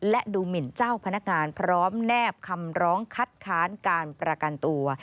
และดูหมินเจ้าพนักงานพร้อมแนบคำร้องคัดค้านการประกันตัว